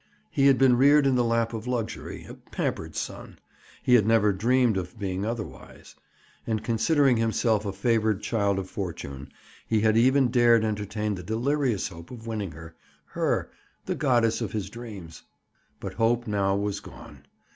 He had been reared in the lap of luxury, a pampered son. He had never dreamed of being otherwise. And considering himself a favored child of fortune, he had even dared entertain the delirious hope of winning her—her, the goddess of his dreams. But hope now was gone.